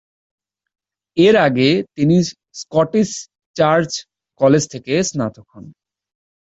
এর আগে তিনি স্কটিশ চার্চ কলেজ থেকে স্নাতক হন।